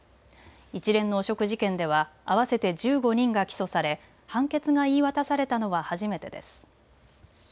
一連の汚職事件では合わせて１５人が起訴され判決が言い渡されたのは初めてです。